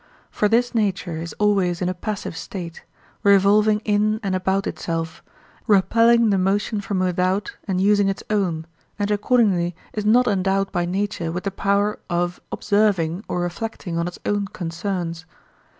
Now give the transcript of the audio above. For this nature is always in a passive state, revolving in and about itself, repelling the motion from without and using its own, and accordingly is not endowed by nature with the power of observing or reflecting on its own concerns.